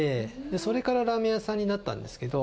それからラーメン屋さんになったんですけど。